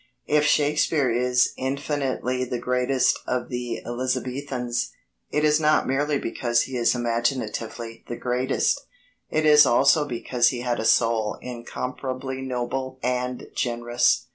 If Shakespeare is infinitely the greatest of the Elizabethans, it is not merely because he is imaginatively the greatest; it is also because he had a soul incomparably noble and generous.